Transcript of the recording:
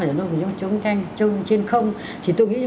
chống trên không thì tôi nghĩ